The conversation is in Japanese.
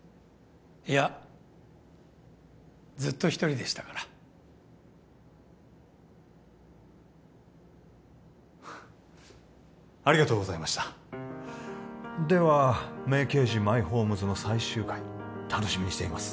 いやずっと１人でしたからありがとうございましたでは「名刑事マイホームズ」の最終回楽しみにしています